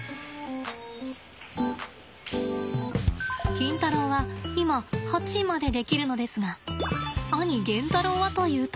キンタロウは今８までできるのですが兄ゲンタロウはというと。